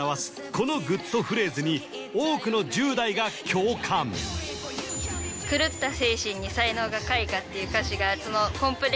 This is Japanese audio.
このグッとフレーズに多くの１０代が共感だなって思ってます